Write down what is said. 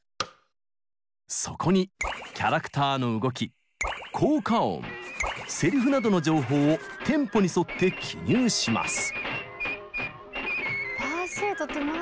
そこにキャラクターのなどの情報をテンポに沿って記入します。